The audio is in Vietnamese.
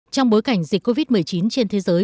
trong bối cảnh dịch covid một mươi chín trên thế giới